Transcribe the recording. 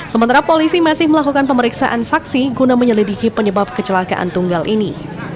sementara polisi masih melakukan pemeriksaan saksi guna menyelidiki penyebab kecelakaan tunggal ini